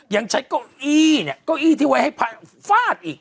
ยังใช้เก้าอี้เนี่ยเก้าอี้ที่ไว้ให้ฟาดอีก